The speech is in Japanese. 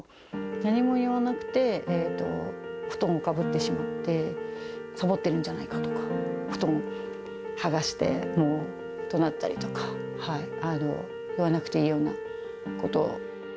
何も言わなくて、布団をかぶってしまって、さぼってるんじゃないかとか、布団剥がしてどなったりとか、言わなくていいようなことを。